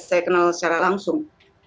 saya kenal secara langsung